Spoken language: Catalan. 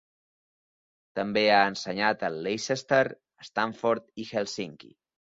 També ha ensenyat a Leicester, Stanford i Helsinki.